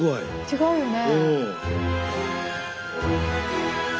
違うよね。